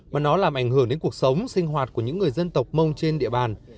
mà nó làm ảnh hưởng đến cuộc sống sinh hoạt của những người dân tộc mông trên địa bàn